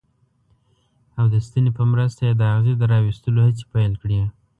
او د ستنې په مرسته یې د اغزي د را ویستلو هڅې پیل کړې.